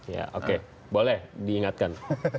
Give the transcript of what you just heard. ya oke boleh diingatkan